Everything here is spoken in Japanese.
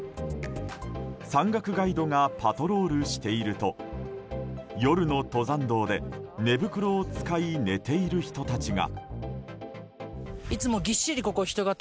山岳ガイドがパトロールしていると夜の登山道で寝袋を使い寝ている人たちが。